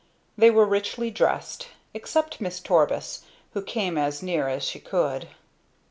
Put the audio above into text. They were richly dressed, except Miss Torbus, who came as near it as she could.